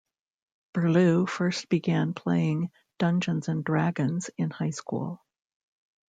Burlew first began playing "Dungeons and Dragons" in high school.